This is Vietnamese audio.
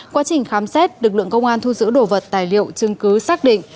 quá trình khám xét lực lượng công an thu giữ đồ vật tài liệu chứng cứ xác định